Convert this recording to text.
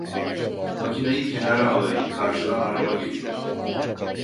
Makineyi kenara alayım, karşıdan araba geliyor!